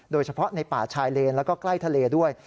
โดยเฉพาะในป่าชายเลนแล้วก็ใกล้ทะเลด้วย